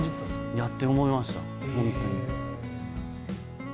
やって思いました、本当に。